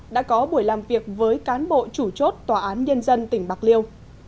đã có buổi làm việc với cán bộ chủ chốt tòa án nhân dân tỉnh bạc liêu